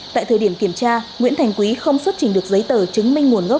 tại thời điểm kiểm tra nguyễn thành quý không xuất trình được giấy tờ chứng minh nguồn gốc